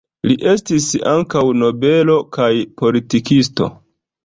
Li estis ankaŭ nobelo kaj politikisto.